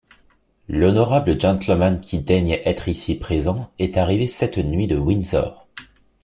L’honorable gentleman qui daigne être ici présent est arrivé cette nuit de Windsor.